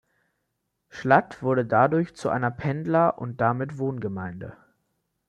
Schlatt wurde dadurch zu einer Pendler- und damit Wohngemeinde.